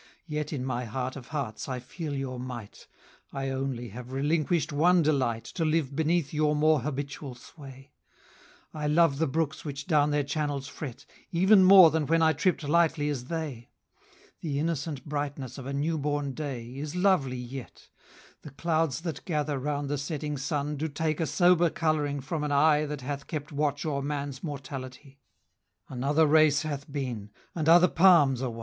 Yet in my heart of hearts I feel your might; I only have relinquish'd one delight 195 To live beneath your more habitual sway. I love the brooks which down their channels fret, Even more than when I tripp'd lightly as they; The innocent brightness of a new born Day Is lovely yet; 200 The clouds that gather round the setting sun Do take a sober colouring from an eye That hath kept watch o'er man's mortality; Another race hath been, and other palms are won.